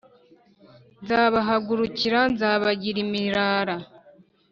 nzabahagurukira nzabagira imirara